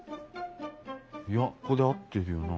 いやここで合ってるよな。